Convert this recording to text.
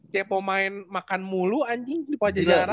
siapa main makan mulu anjing di pajajaran